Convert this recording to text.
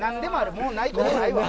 もうないことないわ。